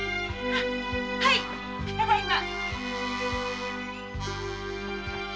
はいただいま。